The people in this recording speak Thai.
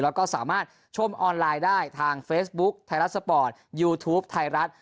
แล้วก็สามารถชมออนไลน์ได้ทางเฟซบุ๊คไทยรัฐสปอร์ตยูทูปไทยรัฐ